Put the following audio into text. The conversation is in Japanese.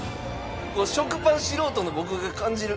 食パン素人の僕が感じる。